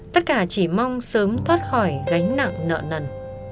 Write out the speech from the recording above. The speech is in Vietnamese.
tất cả chỉ mong sớm thoát khỏi gánh nặng nợ nần